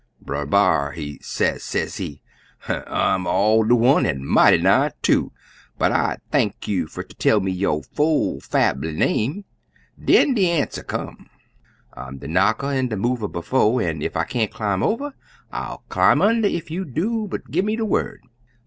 Brer B'ar, he say, sezee, 'I'm all er one an' mighty nigh two, but I'd thank you fer ter tell me yo' full fambly name.' Den de answer come. "'I'm de knocker an' de mover bofe, an' ef I can't clim' over I'll crawl under ef you do but gi' me de word.